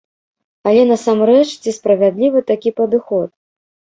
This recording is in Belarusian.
Але, насамрэч, ці справядлівы такі падыход?